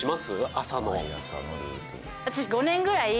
朝の。